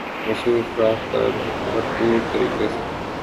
مصروف رہ کر بھرپور طریقے سے